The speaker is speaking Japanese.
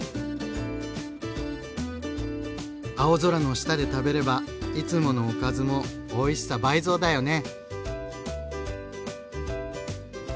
青空の下で食べればいつものおかずもおいしさ倍増だよね。